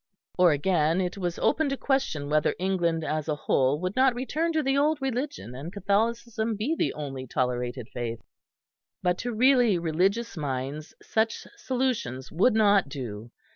Or again, it was open to question whether England as a whole would not return to the old religion, and Catholicism be the only tolerated faith. But to really religious minds such solutions would not do.